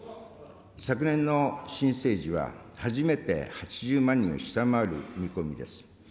昨年の新生児は初めて８０万人を下回る見込みです。